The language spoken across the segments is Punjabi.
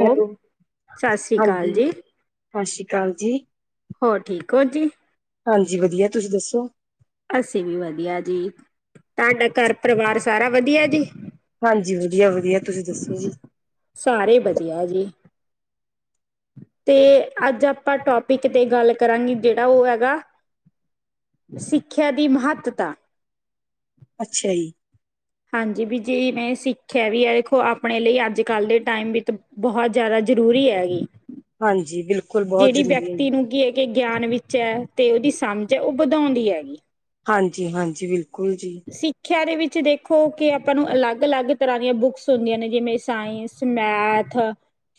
ਹੈਲੋ ਸਤਿ ਸ੍ਰੀ ਅਕਾਲ ਹਾਂਜੀ, ਜੀ, ਸਤਿ ਸ੍ਰੀ ਅਕਾਲ ਜੀ। ਹੋਰ ਠੀਕ ਹੋ ਜੀ। ਹਾਂਜੀ ਵਧੀਆ ਤੁਸੀਂ ਦੱਸੋ ਅਸੀਂ ਵੀ ਵਧੀਆ ਜੀ, ਤੁਹਾਡਾ ਘਰ ਪਰਿਵਾਰ ਸਾਰਾ ਵਧੀਆ ਜੀ। ਹਾਂਜੀ, ਵਧੀਆ ਵਧੀਆ ਤੁਸੀਂ ਦੱਸੋ ਜੀ। ਸਾਰੇ ਵਦੀਆਂ ਜੀ। ਤੇ ਅੱਜ ਆਪਾਂ ਟੋਪਿਕ ਤੇ ਗੱਲ ਕਰਾਂਗੇ ਜਿਹੜਾ ਉਹ ਹੈਗਾ। ਸਿੱਖਿਆ ਦੀ ਮਹੱਤਤਾ। ਅੱਛਾ, ਜੀ। ਹਾਂਜੀ ਜੀ ਮੈਂ ਸਿੱਖਿਆ ਵੀ ਹੈ ਦੇਖੋ ਆਪਣੇ ਲਈ ਅੱਜ ਕੱਲ੍ਹ ਦੇ ਟਾਈਮ ਵਿੱਚ। ਬਹੁਤ ਜ਼ਰੂਰੀ ਹੈਗੀ। ਹਾਂਜੀ, ਬਿਲਕੁਲ। ਬਹੁਤ ਜਿਹੜੀ ਜ਼ਰੂਰੀ ਹੈ ਵਿਅਕਤੀ ਜੀ। ਨੂੰ ਕੀ ਕੀ ਹੇ ਵੀਗਿਆਨ ਵਿੱਚ ਹੈ ਤੇ ਉਹਦੀ ਸਮਝ ਹੈ ਉਹ ਵਧਾਉਂਦੀ ਹੈਗੀ। ਹਾਂਜੀ ਹਾਂਜੀ, ਬਿਲਕੁਲ ਜੀ। ਸਿੱਖਿਆ ਦੇ ਵਿੱਚ ਦੇਖੋ ਕਿ ਆਪਾਂ ਨੂੰ ਅਲੱਗ ਅਲੱਗ ਤਰ੍ਹਾਂ ਦੀਆਂ ਬੁੱਕਸ ਹੁੰਦੀਆਂ ਨੇ ਜਿਵੇਂ ਸਾਇੰਸ। ਮੈਥ,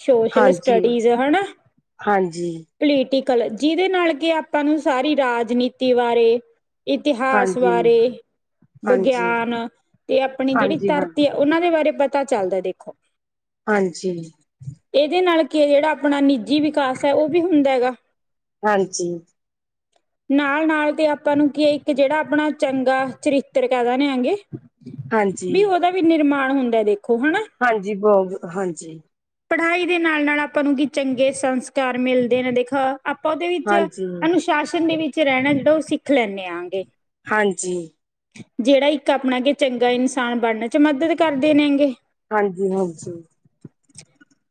ਸੋਸ਼ਲ ਹਾਂਜੀ-ਹਾਂਜੀ, ਸਟਡੀਜ਼ ਹੈਨਾਂ। ਹਾਂਜੀ। ਪੋਲਿਟੀਕਲ ਜਿਹਦੇ ਨਾਲ ਕਿ ਆਪਾਂ ਨੂੰ ਸਾਰੀ ਰਾਜਨੀਤੀ ਬਾਰੇ। ਇਤਿਹਾਸ ਬਾਰੇ ਹਾਂਜੀ, ਹਾਂਜੀ ਵਿਗਿਆਨ ਤੇ ਆਪਣੀ ਜਿਹੜੀ ਹਾਂਜੀ ਹਾਂ, ਧਰਤੀ। ਉਹਨਾਂ, ਦੇ ਬਾਰੇ ਪਤਾ ਚੱਲਦਾ ਦੇਖੋ। ਹਾਂਜੀ। ਇਹਦੇ ਨਾਲ ਕਿ ਜਿਹੜਾ ਆਪਣਾ ਨਿੱਜੀ ਵਿਕਾਸ, ਹੈ ਉਹ ਵੀ ਹੁੰਦਾ ਹੈਗਾ। ਹਾਂਜੀ। ਨਾਲ ਨਾਲ ਤੇ ਆਪਾਂ ਨੂੰ ਕੀ ਇੱਕ ਜਿਹੜਾ ਆਪਣਾ ਚੰਗਾ। ਚਰਿੱਤਰ ਕਹਿ ਦੇ ਨੇ ਹੈਗੇ ਹਾਂਜੀ। ਵੀ ਉਹਦਾ ਵੀ ਨਿਰਮਾਣ ਹੁੰਦਾ ਦੇਖੋ ਹਨਾ। ਹਾਂਜੀ ਬਹੁ ਹਾਂਜੀ। ਪੜ੍ਹਾਈ ਦੇ ਨਾਲ ਨਾਲ ਅਪਾ ਨੂੰ ਵੀ ਚੰਗੇ ਸੰਸਕਾਰ ਮਿਲਦੇ ਨੇ ਦੇਖੋ। ਆਪਾਂ ਉਹਦੇ ਵਿੱਚ ਹਾਂਜੀ, ਅਨੁਸ਼ਾਸਨ ਦੇ ਵਿੱਚ ਰਹਿਣਾ ਉਹ ਸਿੱਖ ਲੈਆਂਗੇ। ਹਾਂਜੀ। ਜਿਹੜਾ ਇੱਕ ਆਪਣਾ ਕੇ ਚੰਗਾ ਇਨਸਾਨ ਬਣਨ ਚ ਮਦਦ ਕਰਦੇਨ ਗੇ। ਹਾਂਜੀ ਹਾਂਜੀ।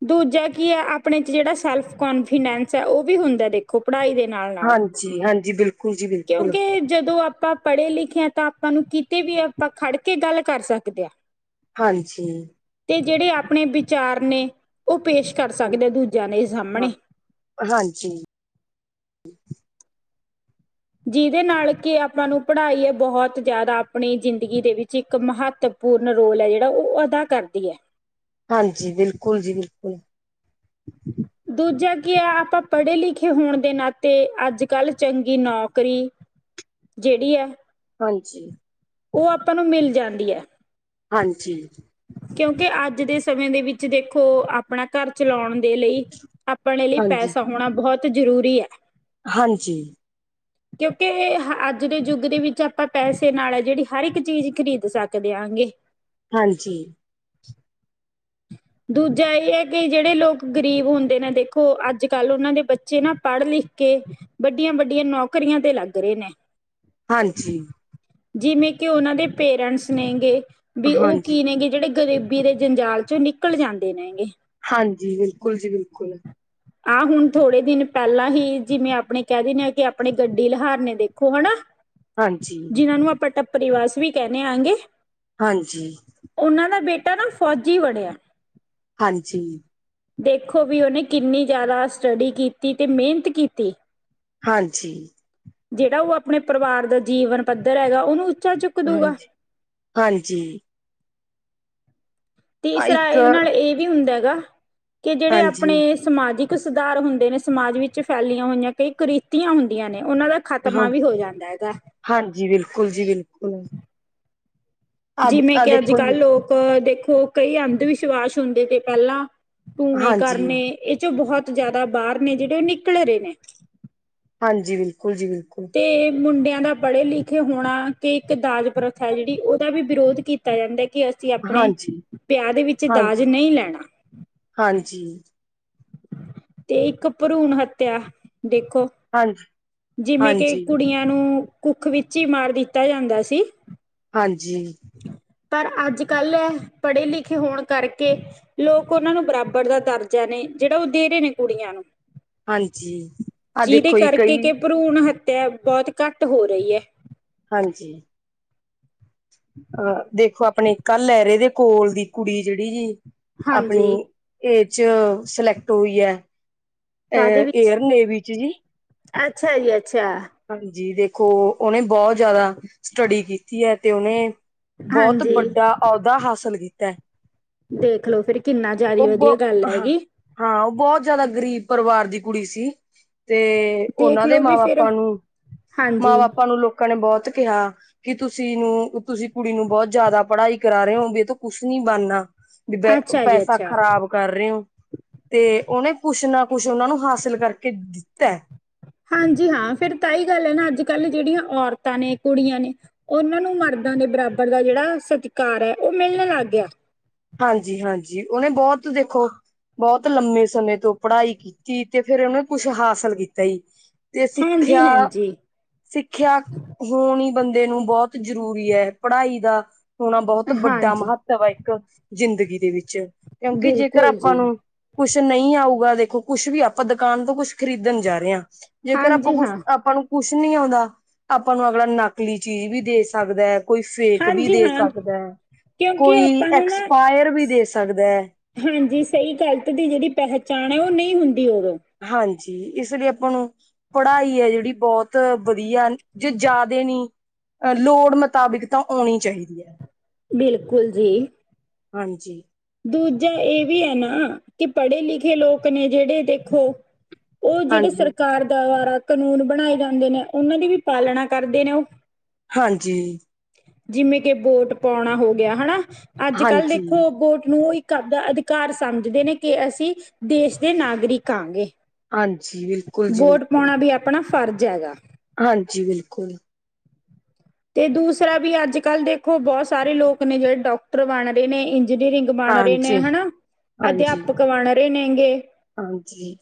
ਦੂਜਾ ਕੀ ਹੈ ਆਪਣੇ ਚ ਜਿਹੜਾ ਸੈਲਫ਼ ਕੰਫੀਡੈਂਸ ਹੈ ਉਹ ਵੀ ਹੁੰਦਾ ਦੇਖ। ਓ ਪੜ੍ਹਾਈ ਦੇ ਨਾਲ ਨਾਲ ਹਾਂਜੀ-ਹਾਂਜੀ ਬਿਲਕੁਲ ਜੀ ਬਿਲਕੁਲ, ਕਿਉਂਕਿ ਜਦੋਂ ਆਪਾਂ। ਪੜ੍ਹੇ- ਲਿਖੇ ਆ ਤਾਂ ਆਪਾਂ ਨੂੰ ਕਿਤੇ ਵੀ ਆਪਾਂ ਖੜ ਕੇ ਗੱਲ ਕਰ ਸਕਦੇ ਆ। ਹਾਂਜੀ। ਤੇ ਜਿਹੜੇ ਆਪਣੇ ਵਿਚਾਰ ਨੇ ਉਹ ਪੇਸ਼ ਕਰ ਹਾਂਜੀ ਸਕਦੇ ਦੂਜਿਆਂ ਦੇ ਹਾਂ, ਸਾਹਮਣੇ। ਹਾਂਜੀ। ਜਿਹਦੇ ਨਾਲ ਕਿ ਆਪਾਂ ਨੂੰ ਪੜ੍ਹਾਈ ਹੈ ਬਹੁਤ ਜ਼ਿਆਦਾ ਆਪਣੀ ਜ਼ਿੰਦਗੀ ਦੇ ਵਿੱਚ ਇੱਕ ਮਹੱਤਵ। ਪੂਰਨ ਰੋਲ ਹੈ ਜਿਹੜਾ, ਉਹ ਅਦਾ ਕਰਦੀ ਹੈ। ਹਾਂਜੀ ਬਿਲਕੁੱਲ ਜੀ ਬਿਲਕੁੱਲ। ਦੂਜਾ ਕੀ ਆ ਆਪਾਂ ਪੜ੍ਹੇ ਲਿਖੇ ਹੋਣ ਦੇ ਨਾਲੇ ਅੱਜ ਕੱਲ੍ਹ ਚੰਗੀ ਨੌਕਰੀ। ਜਿਹੜੀ ਆ। ਹਾਂਜੀ। ਉਹ ਆਪਾਂ ਨੂੰ ਮਿਲ ਜਾਂਦੀ ਆ। ਹਾਂਜੀ। ਕਿਉਂਕਿ ਅੱਜ ਦੇ ਸਮੇਂ ਦੇ ਵਿੱਚ ਦੇਖੋ ਆ। ਆਪਣਾ ਘਰ ਚਲਾਉਣ ਦੇ ਲਈ ਆਪਣੇ ਲਈ ਹਾਂਜੀ, ਪੇਸ਼ਾ ਹੋਣਾ ਬਹੁਤ ਜ਼ਰੂਰੀ ਆ। ਹਾਂਜੀ। ਕਿਉਂਕਿ ਅੱਜ ਦੇ ਯੁੱਗ ਦੇ ਵਿੱਚ ਆਪਾਂ ਪੈਸੇ ਨਾਲ ਹੈ ਜਿਹੜੀ ਹਰ ਇੱਕ ਚੀਜ਼ ਖਰੀਦ ਸਕਦੇ ਆ ਗੇ। ਹਾਂਜੀ। ਦੂਜਾ ਇਹ ਹੈ ਕਿ ਜਿਹੜੇ ਲੋਕ ਗਰੀਬ ਹੁੰਦੇ ਨੇ ਦੇਖੋ ਅੱਜ ਕੱਲ੍ਹ ਉਹਨਾਂ ਦੇ ਬੱਚੇ ਨਾ ਪੜ੍ਹ ਲਿਖ ਕੇ ਵੱਡੀਆਂ ਵੱਡੀਆਂ ਨੌਕਰੀਆਂ ਤੇ ਲੱਗ ਰਹੇ ਨੇ। ਹਾਂਜੀ, ਜਿਵੇਂ ਕਿ ਉਹਨਾਂ ਦੇ ਪੇਰੈਂਟਸ ਨੇਗੇ ਵੀ ਉਹ ਹਾਂਜੀ, ਗੇ ਜਿਹੜੇ ਗਰੀਬੀ ਦੇ ਜੰਜਾਲ ਚੋਂ ਨਿਕਲ ਜਾਂਦੇ ਨੇ ਹੈਗੇ ਹਾਂਜੀ ਬਿਲਕੁਲ ਜੀ ਬਿਲਕੁਲ ਆਹ ਹੁਣ ਥੋੜੇ ਦਿਨ ਪਹਿਲਾਂ ਹੀ ਜਿਵੇਂ ਆਪਣੇ ਕਹਿ ਦਿੰਦੇ ਆਾਂ ਕਿ ਆਪਣੇ ਗੱਡੀ ਲਹਾਰ ਨੇ ਦੇਖੋ ਹਨਾ ਹਾਂਜੀ, ਜਿਨਾਂ ਨੂੰ ਆਪਾਂ ਟੱਪਰੀ ਵਾਸ ਵੀ ਕਹਿੰਦੇ ਆਂਗੇ ਹਾਂਜੀ। ਉਹਨਾਂ ਦਾ ਬੇਟਾ ਨਾ ਫੌਜੀ ਬਣਿਆ ਹਾਂਜੀ। ਦੇਖੋ ਵੀ ਉਹਨੇ ਕਿੰਨੀ ਜ਼ਿਆਦਾ ਸਟੱਡੀ ਕੀਤੀ ਤੇ ਮਿਹਨਤ ਕੀਤੀ। ਹਾਂਜੀ। ਜਿਹੜਾ ਉਹ ਆਪਣੇ ਪਰਿਵਾਰ ਦਾ ਜੀਵਨ ਪੱਧਰ ਹੈਗਾ ਉਹਨੂੰ ਉੱਚਾ ਚੁੱਕ ਦੂਗਾ ਹਾਂਜੀ ਹਾਂਜੀ। ਆ ਤੀਸਰਾ ਇੱਕ ਇਹਦੇ ਨਾਲ ਇਹ ਵੀ ਹੁੰਦਾ ਗਾ ਕਿ ਜਿਹੜੇ ਹਾਂਜੀ ਆਪਣੇ ਸਮਾਜਿਕ ਸੁਧਾਰ ਹੁੰਦੇ ਨੇ ਸਮਾਜ ਵਿੱਚ ਫੈਲੀਆਂ ਹੋਈਆਂ ਕਈ ਕਰਿਤੀਆਂ ਹੁੰਦੀਆਂ ਨੇ ਉਹਨਾਂ ਦਾ ਹਾਂ ਖ਼ਤਮਾ ਵੀ ਹੋ ਜਾਂਦਾ ਹੈਗਾ। ਹਾਂਜੀ ਬਿਲਕੁਲ ਜੀ ਬਿਲਕੁਲ ਆ ਜਿਵੇਂ ਆ ਕਿ ਅੱਜ ਦੇਖੋ ਜੀ ਕੱਲ੍ਹ ਲੋਕ ਅਹ ਦੇਖੋ ਕਈ ਅੰਧ ਵਿਸ਼ਵਾਸ ਹੁੰਦੇ ਤੇ ਪਹਿਲਾਂ ਟੂਣੇ ਹਾਂਜੀ, ਕਰਨੇ। ਇਹ ਚੋਂ ਬਹੁਤ ਜਿਆਦਾ ਬਾਹਰ ਨੇ ਜਿਹੜੇ ਉਹ ਨਿਕਲ ਰਹੇ ਨੇ। ਹਾਂਜੀ ਬਿਲਕੁਲ ਜੀ ਬਿਲਕੁਲ। ਤੇ ਮੁੰਡਿਆਂ ਦਾ ਪੜ੍ਹੇ ਲਿਖੇ ਹੋਣਾ ਕਿ ਇੱਕ ਦਾਜ ਪ੍ਰਥਾਹੈ ਜਿਹੜੀ ਉਹਦਾ ਵੀ ਵਿਰੋਧ ਕੀਤਾ ਦਿੱਤਾ ਜਾਂਦਾ ਕਿ ਅਸੀਂ ਆਪਣੇ ਹਾਂਜੀ, ਵਿਆਹ ਦੇ ਵਿੱਚ ਦਾਜ ਹਾਂਜੀ, ਨਹੀਂ ਲੈਣਾ ਹਾਂਜੀ ਤੇ ਇੱਕ ਭਰੂਣ ਹੱਤਿਆ ਦੇਖੋ ਹਾਂਜੀ, ਜਿਵੇਂ ਕਿ ਹਾਂਜੀ, ਕੁੜੀਆਂ ਨੂੰ ਕੁੱਖ ਵਿੱਚ ਹੀ ਮਾਰ ਦਿੱਤਾ ਜਾਂਦਾ ਸੀ। ਹਾਂਜੀ, ਪਰ ਅੱਜ ਕੱਲ੍ਹ ਹੈ ਪੜ੍ਹੇ ਲਿਖੇ ਹੋਣ ਕਰਕੇ। ਲੋਕ ਉਹਨਾਂ ਨੂੰ ਬਰਾਬਰ ਦਾ ਦਰਜਾ ਨੇ ਜਿਹੜਾ ਉਹ ਦੇ ਰਹੇ ਨੇ ਕੁੜੀਆਂ ਨੂੰ। ਹਾਂਜੀ ਆਹ ਜਿਹਦੇ ਦੇਖੋ ਜੀ ਕਰਕੇ ਕਈ ਕਿ ਭਰੂਣ ਹੱਤਿਆ ਬਹੁਤ ਘੱਟ ਹੋ ਰਹੀ ਹੈ। ਹਾਂਜੀ ਅਹ ਦੇਖੋ ਆਪਣੇ ਕ ਲਹਿਰੇ ਦੇ ਕੋਲ ਦੀ ਕੁੜੀ ਜਿਹੜੀ ਜੀ ਆਪਣੀ ਹਾਂਜੀ ਇਹ ਚ ਸਲੈਕਟ ਹੋਈ ਹੈ ਕਾਹਦੇ ਵਿੱਚ ਏਅਰ ਨੇਵੀ ਚ ਜੀ ਅੱਛਾ ਜੀ ਅੱਛਾ ਹਾਂਜੀ ਦੇਖੋ ਉਹਹਨੇ ਬਹੁਤ ਜ਼ਿਆਦਾ ਸਟੱਡੀ ਕੀਤੀ ਹੈ ਤੇ ਉਹਨੇ ਬਹੁਤ ਹਾਂਜੀ ਵੱਡਾ ਅਹੁਦਾ ਹਾਸਲ ਕੀਤਾ ਹੈ ਦੇਖਲੋ ਫੇਿਰ ਕਿੰਨਾ ਜ਼ਿਆਦਾ ਉਹ ਬ ਵਧੀਆ ਗੱਲ ਹਾਂ ਹੈਗੀ ਹਾਂ ਉਹ ਬਹੁਤ ਜ਼ਿਆਦਾ ਗਰੀਬ ਪਰਿਵਾਰ ਦੀ ਕੁੜੀ ਸੀ ਤੇ ਉਹਨਾਂ ਦੇ ਦੇਖਲੋ ਮਾਂ ਵੀ ਬਾਪ ਫਿਰ ਸਾਨੂੰ ਮਾਂ ਹਾਂਜੀ ਬਾਪਾਂ ਨੂੰ ਲੋਕਾਂ ਨੇ ਬਹੁਤ ਕਿਹਾ ਕਿ ਤੁਸੀਂ ਨੂੰ ਤੁਸੀਂ ਕੁੜੀ ਨੂੰ ਬਹੁਤ ਜ਼ਿਆਦਾ ਪੜ੍ਹਾਈ ਕਰਾ ਰਹੇ ਹੋ ਵੀ ਤਾਂ ਕੁਛ ਨੀ ਬਣਨਾ ਅੱਛਾ ਜੀ ਪੈਸਾ ਅੱਛਾ ਖਰਾਬ ਕਰ ਰਹੇ ਹੋ ਤੇ ਉਹਨੇ ਕੁਛ ਨਾ ਕੁਛ ਉਹਨਾ ਨੂੰ ਹਾਸਿਲ ਕਰਕੇ ਦਿੱਤਾ। ਹਾਂਜੀ ਹਾਂ ਫੇਿਰ ਤਾਂ ਹੀ ਗੱਲ ਹੈ ਨਾ ਅੱਜ ਕੱਲ ਜਿਹੜੀਆਂ ਔਰਤਾਂ ਨੇ ਕੁੜੀਆਂ ਨੇ। ਉਹਨਾਂ ਨੂੰ ਮਰਦਾਂ ਦੇ ਬਰਾਬਰ ਦਾ ਜਿਹੜਾ ਸਤਿਕਾਰ ਹੈ ਉਹ ਮਿਲਣ ਲੱਗ ਗਿਆ ਹਾਂਜੀ ਹਾਂਜੀ ਉਹਨੇ ਬਹੁਤ ਦੇਖੋ ਬਹੁਤ ਲੰਮੇ ਸਮੇਂ ਤੋਂ ਪੜ੍ਹਾਈ ਕੀਤੀ ਤੇ ਫੇਰ ਉਹਨੇ ਕੁਛ ਹਾਸਿਲ ਕੀਤਾ ਈ। ਤੇ ਹਾਂਜੀ ਸਿੱਖਿਆ ਹਾਂਜੀ ਸਿੱਖਿਆ ਹੋਣੀ ਬੰਦੇ ਨੂੰ ਬਹੁਤ ਜ਼ਰੂਰੀ ਐ ਪੜ੍ਹਾਈ ਦਾ ਹੋਣਾ ਬਹੁਤ ਵੱਡਾ ਹਾਂਜੀ ਮਹੱਤਵ ਐ ਇੱਕ ਜ਼ਿੰਦਗੀ ਦੇ ਵਿੱਚ ਕਿਉਂਕਿ ਜੇਕਰ ਬਿਲਕੁਲ ਆਪਾਂ ਜੀ ਨੂੰ ਕੁਛ ਨਹੀਂ ਆਊਗਾ ਦੇਖੋ, ਕੁਛ ਵੀ ਆਪਾਂ ਦੁਕਾਨ ਤੋਂ ਕੁੱਛ ਖਰੀਦਣ ਜਾ ਰਹੇ ਅ ਜੇਕਰ ਆਪਾਂ ਹਾਂਜੀ ਕੁਛ ਹਾਂ ਆਪਾਂ ਨੂੰ ਕੁਛ ਨੀ ਆਉਂਦਾ, ਆਪਾਂ ਨੂੰ ਅਗਲਾ ਨਕਲੀ ਚੀਜ਼ ਵੀ ਦੇ ਸਕਦਾ। ਕੋਈ ਫੇਕ ਵੀ ਹਾਂਜੀ ਦੇ ਹਾਂ ਸਕਦਾ ਐ, ਕਿਉਂਕਿ ਕੋਈ ਆਪਾਂ ਨੂੰ ਨਾ ਐਕਸਪਾਇਰ ਵੀ ਦੇ ਸਕਦਾ ਐ। ਹਾਂਜੀ, ਸਹੀ ਗਲਤ ਦੀ ਜਿਹੜੀ ਪਹਿਚਾਣ ਏ ਉਹ ਨਹੀਂ ਹੁੰਦੀ ਉਦੋਂ। ਹਾਂਜੀ ਇਸ ਲਈ ਆਪਾਂ ਨੂੰ ਪੜ੍ਹਾਈ ਹੈ ਜਿਹੜੀ ਬਹੁਤ ਵਧੀਆ ਜੇ ਜ਼ਿਆਦੇ ਨੀ ਅ ਲੋੜ ਮੁਤਾਬਿਕ ਤਾਂ ਆਉਣੀ ਚਾਹੀਦੀ ਹੈ। ਬਿਲਕੁਲ ਜੀ। ਹਾਂਜੀ। ਦੂਜਾ ਇਹ ਵੀ ਹੈ ਨਾ ਕਿ ਪੜ੍ਹੇ ਲਿਖੇ ਲੋਕ ਨੇ ਜਿਹੜੇ ਦੇਖੋ ਉਹ ਜਿਹੜੇ ਹਾਂਜੀ, ਸਰਕਾਰ ਦੁਆਰਾ ਕਾਨੂੰਨ ਬਣਾਏ ਜਾਂਦੇ ਨੇ ਉਹਨਾਂ ਦੀ ਵੀ ਪਾਲਣਾ ਕਰਦੇ ਨੇ ਉਹ ਹਾਂਜੀ। ਜਿਵੇਂ ਕਿ ਬੋਟ ਪਾਉਣਾ ਹੋ ਗਿਆ ਹਨਾ ਅੱਜ ਕੱਲ੍ਹ ਹਾਂਜੀ, ਦੇਖੋ ਬੋਟ ਨੂੰ ਇੱਕ ਕ ਦਾ ਅਧਿਕਾਰ ਸਮਝਦੇ ਨੇ ਕਿ ਅਸੀਂ ਦੇਸ਼ ਦੇ ਨਾਗਰਿਕ ਆਾਂਗੇ ਹਾਂਜੀ, ਬਿਲਕੁਲ ਜੀ ਵੋਟ ਬਿਲਕੁਲ। ਪਾਉਣਾ ਵੀ ਆਪਣਾ ਫਰਜ਼ ਹੈਗਾ। ਹਾਂਜੀ ਬਿਲਕੁਲ। ਤੇ ਦੂਸਰਾ ਵੀ ਅੱਜ ਕੱਲ ਦੇਖੋ ਬਹੁਤ ਸਾਰੇ ਲੋਕ ਨੇ ਜਿਹੜੇ ਡਾਕਟਰ ਬਣ ਰਹੇ ਨੇ ਇੰਜੀਨੀਅਰਿੰਗ ਬਣ ਰਹੇ ਨੇ ਹਾਂਜੀ, ਹਨਾ, ਹਾਂਜੀ, ਅਧਿਆਪਕ ਬਣ ਰਹੇ ਨੇ ਗੇ। ਹਾਂਜੀ।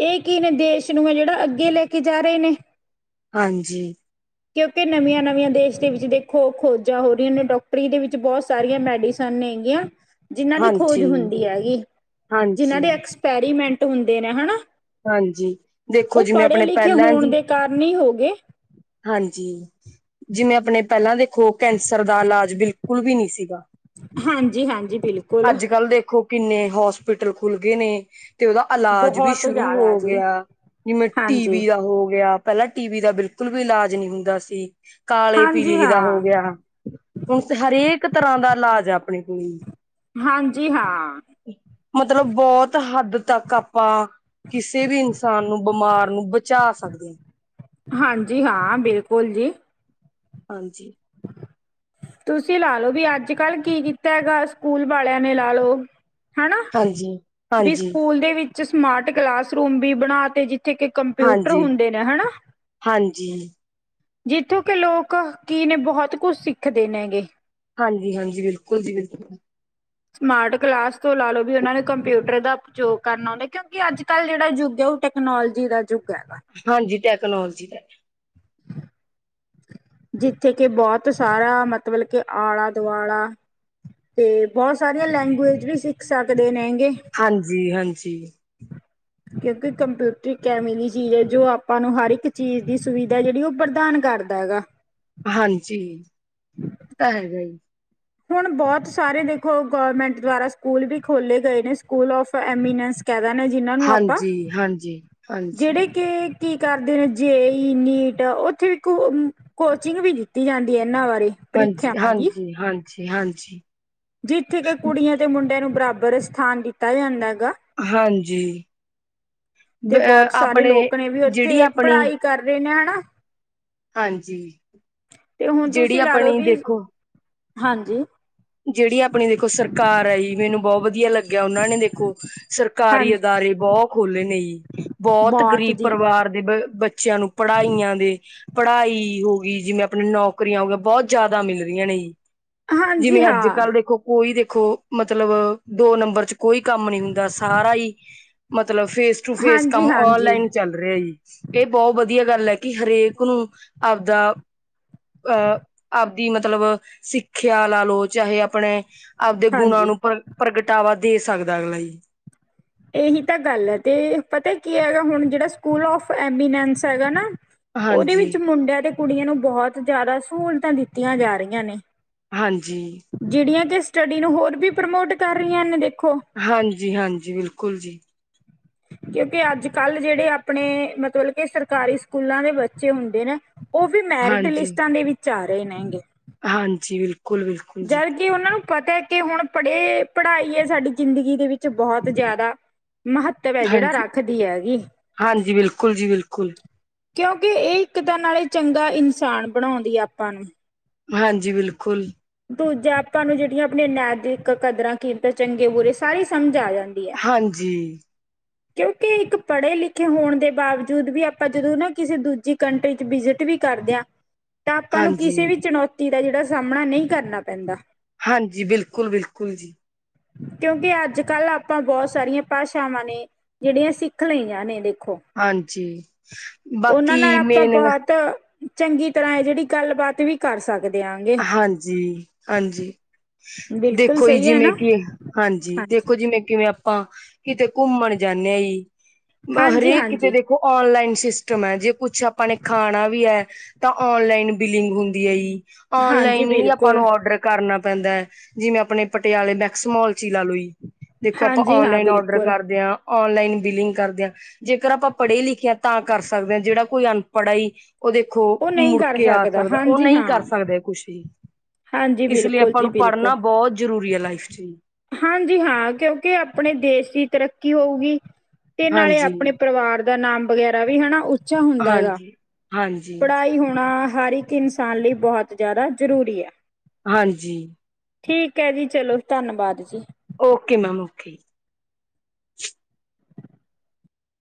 ਇਹ ਕੀ ਨੇ ਦੇਸ਼ ਨੇ ਜਿਹੜਾ ਅੱਗੇ ਲੈ ਕੇ ਜਾ ਰਹੇ ਨੇ। ਹਾਂਜੀ। ਕਿਉਂਕਿ ਨਵੀਆਂ ਨਵਂ ਨੀਆ ਦੇਸ਼ ਦੇ ਵਿੱਚ ਦੇਖੋ ਖੋਜਾਂ ਹੋ ਰਹੀਆਂ ਨੇ, ਡਾਕਟਰੀ ਦੇ ਵਿੱਚ ਬਹੁਤ ਸਾਰੀਆਂ ਮੈਡੀਸਨ ਨੇ ਹੈਗੀਆਂ। ਜਿੰਨਾਂ ਦੀ ਖੋਜ ਹਾਂਜੀ, ਹੁੰਦੀ ਹੈਗੀ, ਜਿੰਨਾਂ ਹਾਂਜੀ, ਦੇ ਐਕਸਪੈਰੀਮੈਂਟ ਹੁੰਦੇ ਨੇ ਹਨਾ? ਹਾਂਜੀ, ਦੇਖੋ ਉਹ ਜਿਵੇਂ ਪੜ੍ਹੇ ਆਪਣੇ ਲਿਖੇ ਪਹਿਲਾਂ ਹੋਣ ਦੀ ਦੇ ਕਾਰਨ ਈ ਹੋ ਗਏ। ਹਾਂਜੀ, ਜਿਵੇਂ ਆਪਣੇ ਪਹਿਲਾਂ ਦੇਖੋ ਕੈਂਸਰ ਦਾ ਇਲਾਜ ਬਿਲਕੁਲ ਵੀ ਨੀ ਸੀਗਾ। ਹਾਂਜੀ ਹਾਂਜੀ ਬਿਲ ਅੱਜ ਕੱਲ੍ਹ ਦੇਖੋ ਕਿੰਨੇ ਹੋਸਪਿਟਲ ਖੁੱਲ੍ਹ ਗਏ ਨੇ। ਤੇ ਉਹਦਾ ਐਲਾਜ ਵੀ ਬਹੁਤ ਸ਼ੁਰੂ ਜ਼ਿਆਦਾ ਹੋ ਜੀ ਗਿਆ, ਜਿਵੇਂ ਟੀ ਹਾਂਜੀ ਬੀ ਦਾ ਹੋ ਗਿਆ। ਪਹਿਲਾਂ ਟੀ ਬੀ ਦਾ ਬਿਲਕੁਲ ਵੀ ਇਲਾਜ ਨਹੀਂ ਹੁੰਦਾ ਸੀ, ਕਾਲੇ ਹਾਂਜੀ ਪੀਲੀਏ ਦਾ ਹੋ ਹਾਂ ਗਿਆ। ਹੁਣ ਤੇ ਹਰੇਕ ਤਰ੍ਹਾਂ ਦਾ ਇਲਾਜ ਆ ਆਪਣੇ ਕਨੀ ਹਾਂਜੀ ਹਾਂ। ਮਤਲਬ ਬਹੁਤ ਹੱਦ ਤੱਕ ਆਪਾਂ ਕਿਸੇ ਵੀ ਇਨਸਾਨ ਨੂੰ ਬਿਮਾਰ ਨੂੰ ਬਚਾ ਸਕਦੇ ਆ। ਹਾਂਜੀ ਹਾਂ ਬਿਲਕੁਲ ਜੀ। ਹਾਂਜੀ। ਤੁਸੀਂ ਲਾ ਲੋ ਵੀ ਅੱਜ ਕੱਲ ਕੀ ਕੀਤਾ ਗਾ ਸਕੂਲ ਵਾਲਿਆਂ ਨੇ ਲਾ ਲਓ ਹਨਾ। ਹਾਂਜੀ। ਬਈ ਹਾਂਜੀ ਸਕੂਲ ਦੇ ਵਿੱਚ ਸਮਾਰਟ ਕਲਾਸਰੂਮ ਵੀ ਬਣਾ ਤੇ ਜਿੱਥੇ ਕਿ ਕੰਪਿਊਟਰ ਹਾਂਜੀ ਹੁੰਦੇ ਨੇ ਹਨਾ? ਹਾਂਜੀ ਜਿੱਥੋਂ ਕਿ ਲੋਕ ਕੀ ਨੇ ਬਹੁਤ ਕੁਛ ਸਿੱਖਦੇ ਨੇ ਗੇ। ਹਾਂਜੀ ਹਾਂਜੀ ਬਿਲਕੁਲ ਜੀ ਬਿਲਕੁਲ। ਸਮਾਰਟ ਕਲਾਸ ਤੋਂ ਲਾ ਲਓ ਵੀ ਉਹਨਾਂ ਨੂੰ ਕੰਪਿਊਟਰ ਦਾ ਉਪਯੋਗ ਕਰਨਾ ਆਉਦਾ ਕਿਉਂਕਿ ਅੱਜ ਕੱਲ੍ਹ ਜਿਹੜਾ ਯੁੱਗ ਐ ਉਹ ਟੈਕ ਕਨੋਲੋਜੀ ਦਾ ਯੁੱਗ ਹੈਗਾ। ਹਾਂਜੀ ਟੈਕਨੋਲੋਜੀ ਦਾ ਜਿੱਥੇ ਕਿ ਬਹੁਤ ਸਾਰਾ, ਮਤਲਬ ਕੇ ਆਲਾ- ਦੁਆਲਾ ਤੇ ਬਹੁਤ ਸਾਰੀਆਂ ਲੈਂਗੁਏਜ ਵੀ ਸਿੱਖ ਸਕਦੇ ਨੇ ਹੈਗੇ ਹਾਂਜੀ- ਹਾਂਜੀ ਕਿਉਂਕਿ ਕੰਪਿਊਟਰ ਇੱਕ ਐਵੇਂ ਚੀਜ਼ ਹੈ ਜੋ ਆਪਾਂ ਨੂੰ ਹਰ ਇੱਕ ਚੀਜ਼ ਦੀ ਸੁਵਿਧਾ ਜਿਹੜੀ ਉਹ ਪ੍ਰਦਾਨ ਕਰ ਹੈਗਾ ਹਾਂਜੀ, ਤਾਂ ਹੈਗਾ ਹੀ ਹੁਣ ਬਹੁਤ ਸਾਰੇ ਦੇਖੋ ਗੌਰਮੈਂਟ ਦੁਆਰਾ ਸਕੂਲ ਵੀ ਖੋਲ੍ਹੇ ਗਏ ਨੇ ਸਕੂਲ ਆਫ ਐਮੀਨੈਂਸ ਕਹਿ ਦੇਣਾ ਜਿਹਨਾਂ ਨੂੰ ਆਪਾਂ, ਹਾਂਜੀ ਹਾਂਜੀ ਹਾਂਜੀ ਜਿਹੜੇ ਕਿ ਕੀ ਕਰਦੇ ਨੇ ਜੇਈ, ਨੀਟ ਉੱਥੇ ਵੀ ਕੋਚਿੰਗ ਵੀ ਦਿੱਤੀ ਜਾਂਦੀ ਆ ਇਹਨਾਂ ਬਾਰੇ। ਹਾਂਜੀ- ਪ੍ਰੀਖਿਆਵਾਂ ਦੀ ਹਾਂਜੀ- ਹਾਂਜੀ- ਹਾਂਜੀ। ਜਿੱਥੇ ਕਿ ਕੁੜੀਆਂ ਤੇ ਮੁੰਡਿਆਂ ਨੂੰ ਬਰਾਬਰ ਅਸਥਾਨ ਦਿੱਤਾ ਜਾਂਦਾ ਗਾ। ਹਾਂਜੀ, ਤੇ ਅ ਬਹੁਤ ਸਾਰੇ ਆਪਣੇ ਲੋਕ ਨੇ ਵੀ ਜਿਹੜੀ ਉੱਥੇ ਆਪਣੀ ਪੜ੍ਹਾਈ ਕਰ ਰਹੇ ਨੇ ਹਨਾ। ਹਾਂਜੀ, ਤੇ ਹੁਣ ਜਿਹੜੀ ਤੁਸੀਂ ਲਾ ਲਓ ਆਪਣੀ ਵੀ ਦੇਖੋ ਹਾਂਜੀ। ਜਿਹੜੀ ਆਪਣੀ ਦੇਖੋ ਸਰਕਾਰ ਆਈ, ਮੈਨੂੰ ਬਹੁਤ ਵਧੀਆ ਲੱਗ ਕਿ ਉਹਨਾਂ ਨੇ ਦੇਖੋ ਸਰਕਾਰੀ ਹਾਂਜੀ ਅਦਾਰੇ ਬਹੁਤ ਖੋਲ੍ਹੇ ਨੇ ਜੀ। ਬਹੁਤ ਗਰੀਬ ਪਰਿਵਾਰ ਦੇ ਬ ਬੱਚਿਆਂ ਨੂੰ ਪੜ੍ਹਾਈਆਂ ਦੇ ਪੜ੍ਹਾਈ ਹੋ ਗਈ, ਜਿਵੇਂ ਆਪਣੇ ਨੌਕਰੀਆਂ ਹੋਗੀਆਂ ਬਹੁਤ ਜ਼ਿਆਦਾ ਮਿਲ ਰਹੀਆਂ ਨੇ ਜੀ। ਹਾਂਜੀ ਜਿਵੇਂ ਅੱਜ ਹਾਂ ਕੱਲ੍ਹ ਦੇਖੋ ਕੋਈ ਦੇਖੋ, ਮਤਲਬ ਦੋ ਨੰਬਰ 'ਚ ਕੋਈ ਕੰਮ ਨੀ ਹੁੰਦਾ, ਸਾਰਾ ਹੀ ਮਤਲਬ ਫੇਸ ਟੂ ਫੇਸ ਹਾਂਜੀ ਕੰਮ ਹਾਂਜੀ ਔਨਲਾਈਨ ਚੱਲਦਾ ਕਰ ਰਿਹਾ ਜੀ, ਇਹ ਬਹੁਤ ਵਧੀਆ ਗੱਲ ਹੈ ਕਿ ਹਰੇਕ ਨੂੰ ਆਪਦਾ ਅਹ, ਆਪਦੀ ਮਤਲਬ ਸਿੱਖਿਆ ਲਾ ਲਓ ਚਾਹੇ ਆਪਣੇ, ਆਪਦੇ ਗੁਣਾਂ ਹਾਂਜੀ ਨੂੰ ਪ੍ਰਗਟਾਵਾ ਦੇ ਸਕਦਾ ਅਗਲਾ ਜੀ ਇਹੀ ਤਾਂ ਗੱਲ ਹੈ ਤੇ ਪਤਾ ਕੀ ਹੈਗਾ ਹੁਣ ਜਿਹੜਾ ਸਕੂਲ ਆਫ ਐਮੀਨੈਂਸ ਹੈਗਾ ਨਾ ਉਹਦੇ ਹਾਂਜੀ ਵਿੱਚ ਮੁੰਡਿਆਂ ਤੇ ਕੁੜੀਆਂ ਨੂੰ ਬਹੁਤ ਜ਼ਿਆਦਾ ਸਹੂਲਤਾਂ ਦਿੱਤੀਆਂ ਜਾ ਰਹੀਆਂ ਨੇ ਹਾਂਜੀ ਜਿਹੜੀਆਂ ਕਿ ਸਟੱਡੀ ਨੂੰ ਹੋਰ ਵੀ ਪ੍ਰਮੋਟ ਕਰ ਰਹੀਆਂ ਨੇ ਦੇਖੋ ਹਾਂਜੀ- ਹਾਂਜੀ ਬਿਲਕੁਲ ਜੀ ਕਿਉਂਕਿ ਅੱਜ ਕੱਲ੍ਹ ਜਿਹੜੇ ਆਪਣੇ, ਮਤਲਬ ਕੇ ਸਰਕਾਰੀ ਸਕੂਲਾਂ ਦੇ ਬੱਚੇ ਹੁੰਦੇ ਨੇ ਉਹ ਵੀ ਮੈਰਿਟ ਹਾਂਜੀ ਲਿਸਟਾਂ ਦੇ ਵਿੱਚ ਆ ਰਹੇ ਨੇ ਹੈਗੇ ਹਾਂਜੀ, ਬਿਲਕੁਲ- ਬਿਲਕੁਲ ਜੀ ਜਰ [unintelligible] ਕਿ ਉਹਨਾਂ ਨੂੰ ਪਤਾ ਹੈ ਕਿ ਹੁਣ ਪੜ੍ਹੇ, ਪੜ੍ਹਾਈ ਹੈ ਸਾਡੀ ਜ਼ਿੰਦਗੀ ਦੇ ਵਿੱਚ ਬਹੁਤ ਜ਼ਿਆਦਾ ਮਹੱਤਵ ਹੈ, ਜਿਹੜਾ ਹਾਂਜੀ ਰੱਖਦੀ ਹੈਗੀ ਹਾਂਜੀ ਬਿਲਕੁਲ ਜੀ ਬਿਲਕੁਲ ਕਿਉਂਕਿ ਇਹ ਇੱਕ ਤਾਂ ਨਾਲੇ ਚੰਗਾ ਇਨਸਾਨ ਬਣਾਉਂਦੀ ਹੈ ਆਪਾਂ ਨੂੰ ਹਾਂਜੀ ਬਿਲਕੁਲ ਦੂਜਾ ਆਪਾਂ ਨੂੰ ਜਿਹੜੀਆਂ ਆਪਣੀਆਂ ਨੈਤਿਕ ਕਦਰਾਂ ਕੀਮਤਾਂ ਚੰਗੇ ਬੁਰੇ ਸਾਰੀ ਸਮਝ ਆ ਜਾਂਦੀ ਹੈ। ਹਾਂਜੀ ਕਿਉਂਕਿ ਇੱਕ ਪੜ੍ਹੇ ਲਿਖੇ ਹੋਣ ਦੇ ਬਾਵਜੂਦ ਵੀ ਆਪਾਂ ਜਦੋਂ ਨਾ ਕਿਸੇ ਦੂਜੀ ਕੰਟਰੀ 'ਚ ਵਿਜਿਟ ਵੀ ਕਰਦੇ ਆਂ ਤਾਂ ਆਪਾਂ ਨੂੰ ਕਿਸੇ ਹਾਂਜੀ, ਵੀ ਚੁਣੌਤੀ ਦਾ ਜਿਹੜਾ ਸਾਹਮਣਾ ਨਹੀਂ ਕਰਨਾ ਪੈਂਦਾ ਹਾਂਜੀ, ਬਿਲਕੁਲ -ਬਿਲਕੁਲ ਜੀ। ਕਿਉਂਕਿ ਅੱਜ ਕੱਲ੍ਹ ਆਪਾਂ ਬਹੁਤ ਸਾਰੀਆਂ ਭਾਸ਼ਾਵਾਂ ਨੇ ਜਿਹੜੀਆਂ ਸਿੱਖ ਲਈਆਂ ਨੇ ਦੇਖੋ। ਹਾਂਜੀ, ਉਹਨਾਂ ਨਾਲ ਬਾਕੀ ਆਪਾਂ ਮੇਨ ਬਹੁਤ ਚੰਗੀ ਤਰ੍ਹਾਂ ਹੈ ਜਿਹੜੀ ਗੱਲਬਾਤ ਵੀ ਕਰ ਸਕਦੇ ਆਂਗੇ। ਹਾਂਜੀ, ਹਾਂਜੀ ਬਿਲਕੁਲ ਦੇਖੋ ਜੀ, ਸਹੀ ਹੈ ਜਿਵੇਂ ਨਾ ਕਿ, ਹਾਂਜੀ, ਦੇਖੋ ਜਿਵੇਂ-ਕਿਵੇਂ ਆਪਾਂ ਕਿਤੇ ਘੁੰਮਣ ਜਾਂਨੇ ਆ ਜੀ। ਬਸ ਹਾਂਜੀ ਹਰੇਕ ਕਿਤੇ ਹਾਂਜੀ ਦੇਖ ਓ ਔਨਲਾਈਨ ਸਿਸਟਮ ਐ ਜੀ, ਕੁੱਛ ਆਪਾ ਨੇ ਖਾਨਾ ਵੀ ਐ। ਤਾਂ ਔਨਲਾਈਨ ਬਿਲਿੰਗ ਹੁੰਦੀ ਹੈ ਈ। ਹਾਂਜੀ ਔਨਲਾਈਨ ਈ ਆਪਾ ਬਿਲਕੁਲ ਨੂੰ ਔਡਰ ਕਰਨਾ ਪੈਂਦਾ। ਜਿਵੇਂ ਆਪਨੇ ਪਟਿਆਲੇ ਮੈਕਸਮੋਲ ਚ' ਈ ਲਾਲੋ ਈ। ਦੇਖੋ, ਆਪਾਂ ਹਾਂਜੀ ਹਾਂ ਔਨਲਾਈਨ ਔਡਰ ਬਿਲਕੁਲ ਕਰਦੇ ਆਂ। ਔਨਲਾਈਨ ਬਿਲਿੰਗ ਕਰਦੇਯਾਂ। ਜੇਕਰ ਆਪਾ ਪੜੇ-ਲਿਖੇ ਆਂ ਤਾਂ ਕੱਰ ਸਕਦੇ ਆਂ, ਜੇੜਾ ਕੋਈ ਅਨਪੱੜ ਐਈ ਓ ਦੇਖੋ, ਉਹ ਨਹੀਂ ਮੁੜ ਕਰ ਕੇ ਆ ਸਕਦਾ, ਓ ਹਾਂਜੀ ਨਈ ਹਾਂ ਕਰ ਸਕਦੇ। ਕੁਛ ਹੀ ਹਾਂਜੀ ਇਸਲਿਏ ਬਿਲਕੁਲ ਆਪਾ ਜੀ ਨੂੰ ਬਿਲਕੁਲ ਪੜਨਾ ਬੋਤ ਜ਼ਰੂਰੀ ਐ ਲਾਈਫ ਚ'। ਹਾਂਜੀ। ਹਾਂ, ਕਿਉਕਿ ਆਪਣੇ ਦੇਸ ਦੀ ਤਰੱਕੀ ਹੋਊਗੀ। ਤੇ ਨਾਲੇ ਹਾਂਜੀ ਆਪਣੇ ਪਰਿਵਾਰ ਦਾ ਨਾਮ ਵਗੈਰਾ ਵੀ ਹਨਾ ਉੱਚਾ ਹੁੰਦਾ ਹੈਗਾ। ਹਾਂਜੀ ਹਾਂਜੀ ਪੜ੍ਹਾਈ ਹੋਣਾ ਹਰ ਇੱਕ ਇੱਕ ਇਨਸਾਨ ਲਈ ਬਹੁਤ ਜ਼ਿਆਦਾ ਜ਼ਰੂਰੀ ਹੈ। ਹਾਂਜੀ। ਠੀਕ ਹੈ ਜੀ ਚਲੋ ਧੰਨਵਾਦ ਜੀ। Okay ma'am, okay.